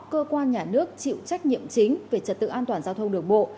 cơ quan nhà nước chịu trách nhiệm chính về trật tự an toàn giao thông đường bộ